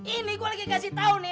ini gue lagi kasih tau nih